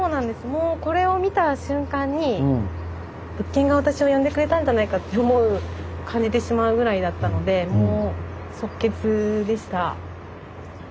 もうこれを見た瞬間に物件が私を呼んでくれたんじゃないかって思う感じてしまうぐらいだったのでもう即決でした。